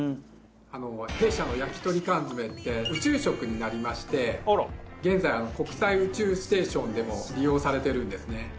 弊社のやきとり缶詰って宇宙食になりまして現在国際宇宙ステーションでも利用されてるんですね。